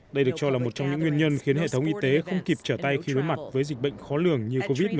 đây được cho là một trong những nguyên nhân khiến hệ thống y tế không kịp trở tay khi đối mặt với dịch bệnh khó lường như covid một mươi chín